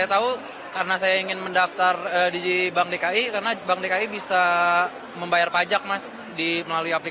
dari transfer antarekening setor dan tarik tunai hingga tarik tunai atau pembayaran di booth bank dki maupun transaksi di berbagai area